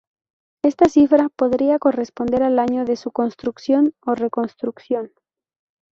Esta cifra podría corresponder al año de su construcción o reconstrucción.